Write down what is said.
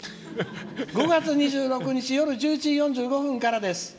５月２６日金曜１１時４５分からです。